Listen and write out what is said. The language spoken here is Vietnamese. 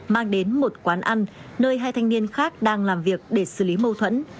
mang đến một quán ăn nơi hai thanh niên khác đang làm việc để xử lý mâu thuẫn